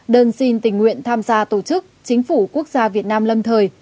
đơn xin tình nguyện tham gia tổ chức chính phủ quốc gia việt nam lâm thời